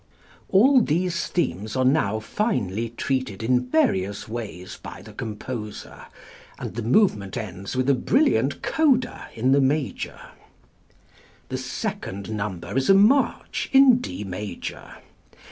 All these themes are now finely treated in various ways by the composer, and the movement ends with a brilliant coda in the major. The second number is a march in D major.